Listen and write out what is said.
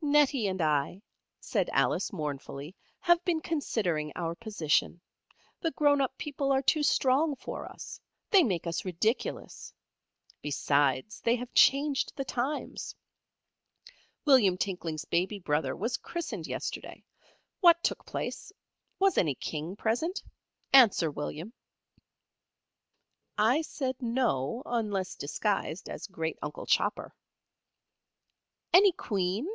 "Nettie and I," said Alice, mournfully, "have been considering our position. The grown up people are too strong for us. They make us ridiculous. Besides, they have changed the times. William Tinkling's baby brother was christened yesterday. What took place? Was any king present? Answer, William." I said No, unless disguised as great uncle Chopper. "Any queen?"